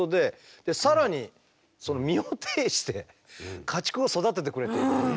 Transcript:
更に身をていして家畜を育ててくれている。